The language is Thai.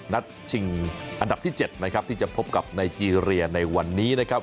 นัดชิงอันดับที่๗นะครับที่จะพบกับไนเจรียในวันนี้นะครับ